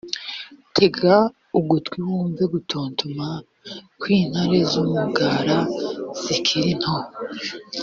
tega amatwi wumve gutontoma kw’intare z’umugara zikiri nto